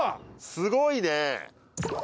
すごいね。